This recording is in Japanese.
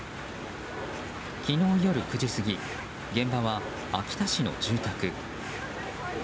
昨日夜９時過ぎ現場は秋田市の住宅。